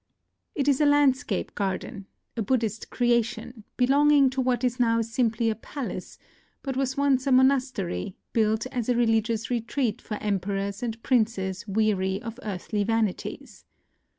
It is a landscape garden, — a Buddhist creation, belonging to what is now simply a palace, but was once a monastery, built as a religious retreat for emperors and princes weary of earthly vanities.